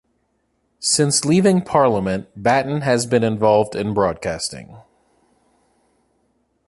Since leaving Parliament, Batten has been involved in broadcasting.